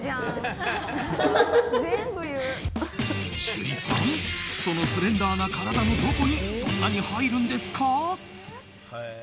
趣里さんそのスレンダーな体のどこにそんなに入るんですか？